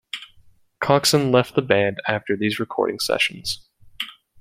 Coxon left the band after these recording sessions.